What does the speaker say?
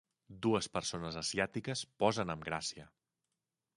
Dues persones asiàtiques posen amb gràcia.